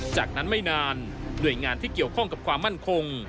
จากนั้นไม่นานหน่วยงานที่เกี่ยวข้องกับความมั่นคง